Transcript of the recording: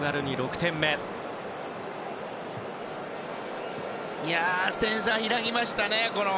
点差が開きましたね。